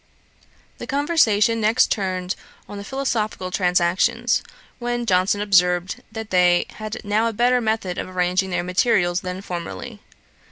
The conversation next turned on the Philosophical Transactions, when Johnson observed, that they had now a better method of arranging their materials than formerly.